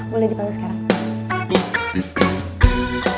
boleh dipanggil sekarang